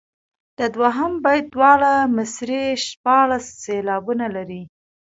د دوهم بیت دواړه مصرعې شپاړس سېلابونه لري.